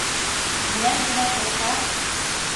— Минән генә торһа